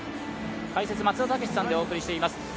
解説、松田丈志さんでお送りしています。